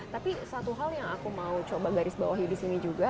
tapi satu hal yang aku mau coba garis bawahi di sini juga